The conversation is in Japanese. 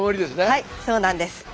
はいそうなんです。